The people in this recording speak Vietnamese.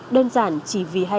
đơn giản chỉ vì hai thứ